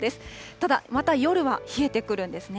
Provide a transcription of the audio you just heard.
ただ、また夜は冷えてくるんですね。